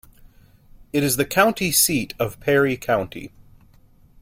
It is the county seat of Perry County.